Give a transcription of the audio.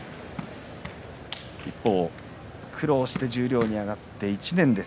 一方、苦労して十両に上がって１年です